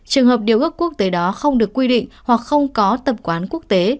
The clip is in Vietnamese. trường hợp điều ước quốc tế đó không được quy định hoặc không có tập quán quốc tế